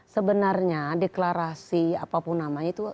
sebenarnya deklarasi apapun namanya itu